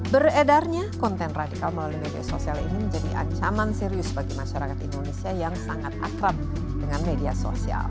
beredarnya konten radikal melalui media sosial ini menjadi ancaman serius bagi masyarakat indonesia yang sangat akrab dengan media sosial